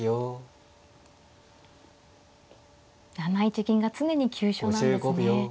７一銀が常に急所なんですね。